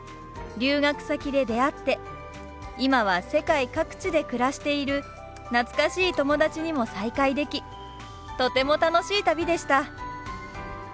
留学先で出会って今は世界各地で暮らしている懐かしい友達にも再会できとても楽しい旅でした！